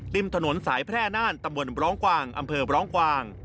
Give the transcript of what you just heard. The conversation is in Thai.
ริมถนนสายแพร่น่านตำบลร้องกวางอำเภอร้องกวาง